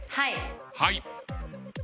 はい。